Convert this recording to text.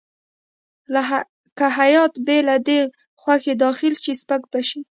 که هیات بې له ده خوښې داخل شي سپک به شي.